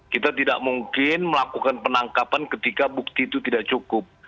kita tidak mungkin melakukan penangkapan ketika bukti itu tidak cukup